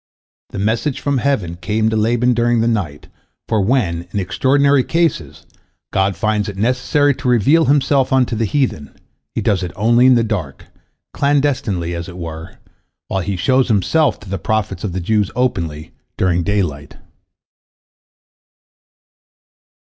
This message from heaven came to Laban during the night, for when, in extraordinary cases, God finds it necessary to reveal Himself unto the heathen, He does it only in the dark, clandestinely as it were, while He shows Himself to the prophets of the Jews openly, during daylight.